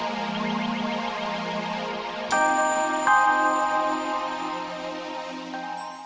sampai jumpa lagi